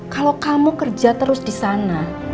kalau kamu kerja terus disana